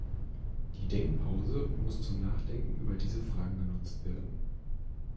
Die Denkpause muss zum Nachdenken über diese Fragen genutzt werden.